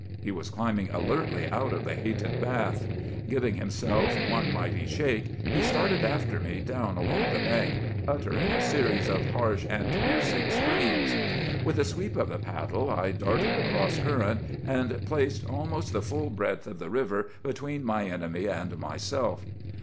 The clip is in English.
He was climbing alertly out of the hated bath. Giving himself one mighty shake, he started after me down along the bank, uttering a series of harsh and piercing screams. With a sweep of the paddle I darted across current, and placed almost the full breadth of the river between my enemy and myself.